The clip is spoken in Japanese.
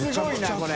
これ。